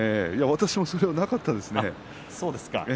私もそういうのはなかったですね。